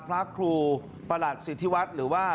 พระครูประหลัดสิทธิวัฒน์หรือว่า